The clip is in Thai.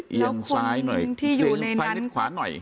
เอี้ยงซ้ายหน่อยนานนั้นเอียงซ้ายขวานหน่อย